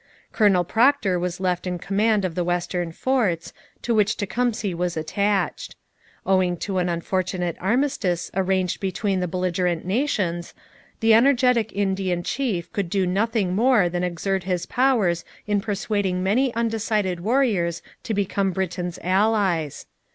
Colonel Procter was left in command of the western forts, to which Tecumseh was attached. Owing to an unfortunate armistice arranged between the belligerent nations, the energetic Indian chief could do nothing more than exert his powers in persuading many undecided warriors to become Britain's allies.